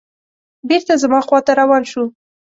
بېرته زما خواته روان شو.